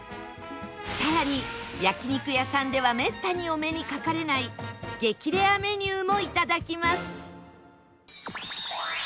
更に焼肉屋さんではめったにお目にかかれない激レアメニューもいただきます